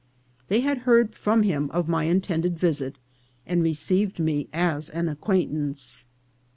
They had heard from him of my intended visit, and received me as an acquaintance.